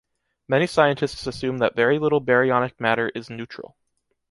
Many scientists assume that very little baryonic matter is neutral.